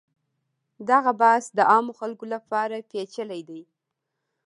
دغه بحث د عامو خلکو لپاره پیچلی دی.